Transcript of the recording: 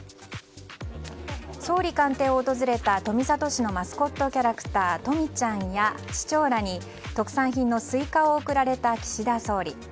総理官邸を訪れた富里市のマスコットキャラクターとみちゃんや市長らに特産品のスイカを送られた岸田総理。